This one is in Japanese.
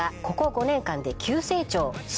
ここ５年間で急成長